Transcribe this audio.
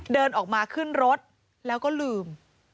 เดินออกมาขึ้นรถแล้วก็ลืม